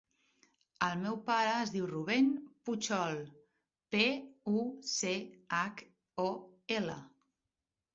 El meu pare es diu Rubèn Puchol: pe, u, ce, hac, o, ela.